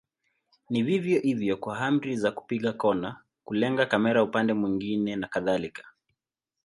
Ni vivyo hivyo kwa amri za kupiga kona, kulenga kamera upande mwingine na kadhalika.